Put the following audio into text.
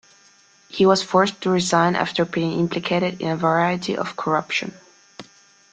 He was forced to resign after being implicated in a variety of corruption.